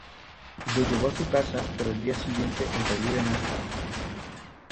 Lo llevó a su casa pero el día siguiente el relieve no estaba.